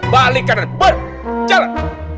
balikan dan berjarak